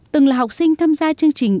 từng là học sinh tham gia chương trình